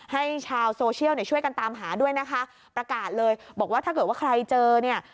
ให้ชาวโซเชียลเนี่ยช่วยกันตามหาด้วยนะคะประกาศเลยบอกว่าถ้าเกิดว่าใครเจอเนี่ย